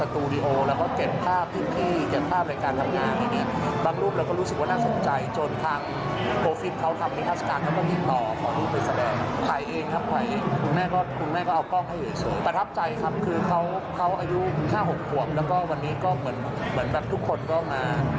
คุณพ่อคุณแม่ก็ซัพพอร์ตเต็มที่นะคะ